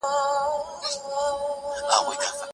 که کورنۍ مرسته ونه کړي، ستونزي به حل نه سي.